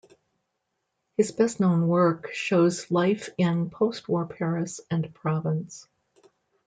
His best-known work shows life in post-war Paris and Provence.